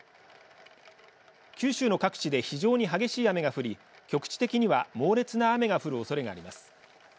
九州の各地で非常に激しい雨が降り局地的には猛烈な雨が降るおそれがあります。